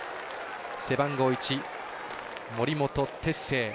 背番号１、森本哲星。